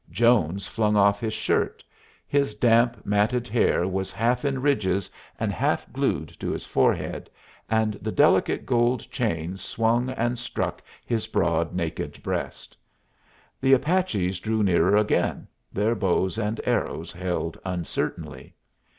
Jones flung off his shirt; his damp, matted hair was half in ridges and half glued to his forehead, and the delicate gold chain swung and struck his broad, naked breast. The Apaches drew nearer again, their bows and arrows held uncertainly.